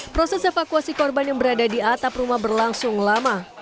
proses evakuasi korban yang berada di atap rumah berlangsung lama